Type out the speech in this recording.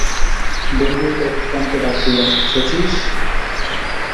গম্ভীর কণ্ঠে ডাক দিলেন, শচীশ!